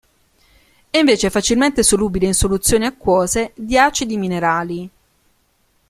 È invece facilmente solubile in soluzioni acquose di acidi minerali.